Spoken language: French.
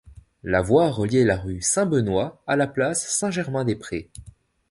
La voie reliait la rue Saint-Benoît à la place Saint-Germain-des-Prés.